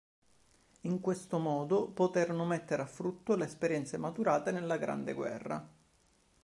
In questo modo poterono mettere a frutto le esperienze maturate nella Grande Guerra.